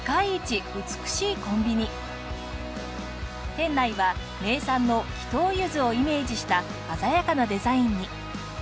店内は名産の木頭ゆずをイメージした鮮やかなデザインに。